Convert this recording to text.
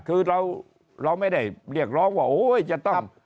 คือเราไม่ได้เรียกร้องว่าโอ๊ยจะต้อง